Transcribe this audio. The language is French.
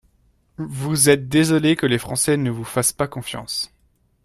Vous être désolé que les Français ne vous fassent pas confiance.